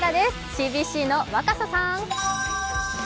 ＣＢＣの若狭さん。